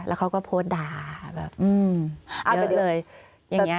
แล้วเขาก็โพสต์ด่าแบบเยอะเลย